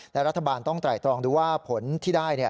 และรัฐบาลต้องไตรตรองดูว่าผลที่ได้